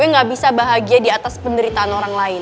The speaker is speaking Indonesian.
saya gak bisa bahagia di atas penderitaan orang lain